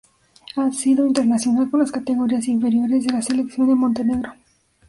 Ha sido internacional con las categorías inferiores de la selección de Montenegro.